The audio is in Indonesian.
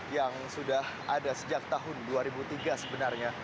yang sudah ada sejak tahun dua ribu tiga sebenarnya